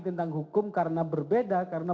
tentang hukum karena berbeda karena